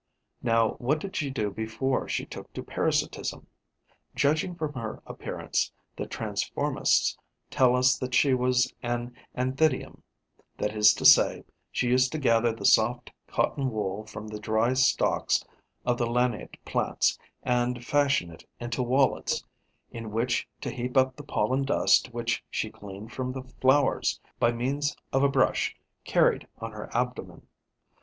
Now what did she do before she took to parasitism? Judging from her appearance, the transformists tell us that she was an Anthidium, that is to say, she used to gather the soft cotton wool from the dry stalks of the lanate plants and fashion it into wallets, in which to heap up the pollen dust which she gleaned from the flowers by means of a brush carried on her abdomen.